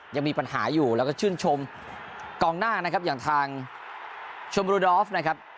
ยังมีปัญหาอยู่แล้วก็ชื่นชมกองหน้านะครับอย่างทางชมบรูดอฟนะครับ